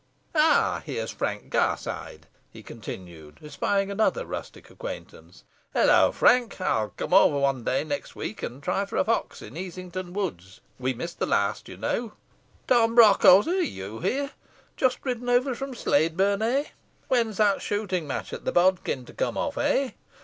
"Ah, here's Frank Garside," he continued, espying another rustic acquaintance. "Halloa, Frank, I'll come over one day next week, and try for a fox in Easington Woods. We missed the last, you know. Tom Brockholes, are you here? Just ridden over from Sladeburne, eh? When is that shooting match at the bodkin to come off, eh?